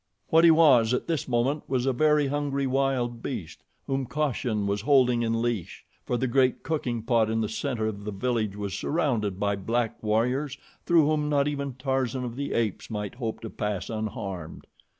What he was at this moment was a very hungry wild beast whom caution was holding in leash, for the great cooking pot in the center of the village was surrounded by black warriors, through whom not even Tarzan of the Apes might hope to pass unharmed.